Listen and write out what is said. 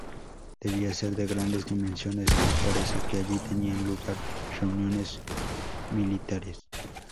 Debía ser de grandes dimensiones, pues parece que allí tenían lugar reuniones militares.